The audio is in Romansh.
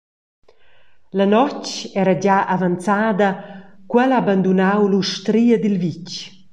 La notg era gia avanzada, cu el ha bandunau l’ustria dil vitg.